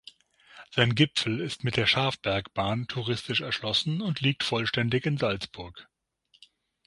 Sein Gipfel ist mit der Schafbergbahn touristisch erschlossen und liegt vollständig in Salzburg.